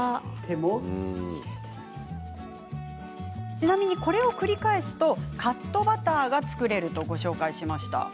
ちなみに、これを繰り返すとカットバターが作れるとご紹介しました。